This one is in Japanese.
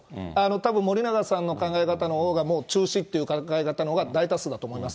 たぶん、森永さんの考え方のほうが、もう中止っていう考え方のほうが大多数だと思います。